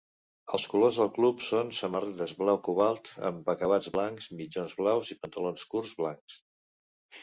Els colors del club són samarretes blau cobalt amb acabats blancs, mitjons blaus i pantalons curts blancs.